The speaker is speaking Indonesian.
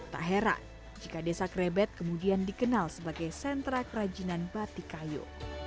tak heran jika desa krebet kemudian dikenal sebagai sentra kerajinan batik kayu